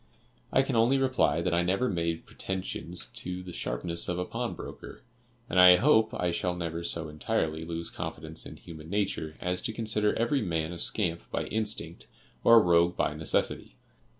I can only reply that I never made pretensions to the sharpness of a pawn broker, and I hope I shall never so entirely lose confidence in human nature as to consider every man a scamp by instinct, or a rogue by necessity.